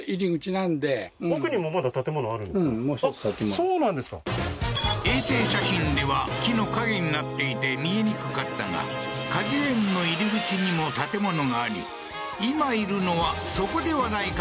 そうなんですか衛星写真では木の陰になっていて見えにくかったが果樹園の入り口にも建物があり今いるのはそこではないかという澤野さん